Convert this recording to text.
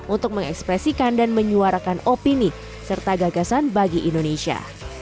untuk mengekspresikan dan menyuarakan opini serta gagasan bagi indonesia